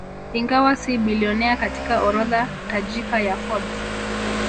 Ingawa si bilionea katika orodha tajika ya Forbes